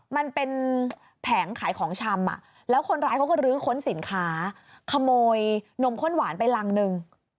มันเป็นแผงขายของชำแล้วคนร้ายเขาก็ลื้อค้นสินค้าขโมยนมข้นหวานไปรังหนึ่ง